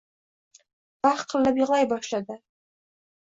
va hiqillab yig'lay boshladi.